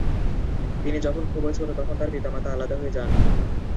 তিনি যখন খুবই ছোট তখন তার পিতামাতা আলাদা হয়ে যান।